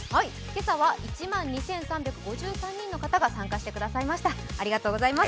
今朝は１万２３５３人が参加してくださいました。